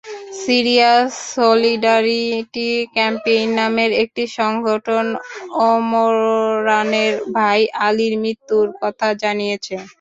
Syria solidarity campaign নামের একটি সংগঠন ওমরানের ভাই আলির মৃত্যুর কথা জানিয়েছে।